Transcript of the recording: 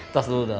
tos dulu toh